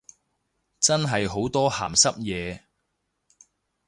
真係好多鹹濕嘢